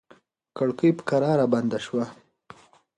کړکۍ په کراره بنده شوه.